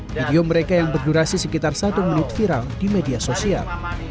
video mereka yang berdurasi sekitar satu menit viral di media sosial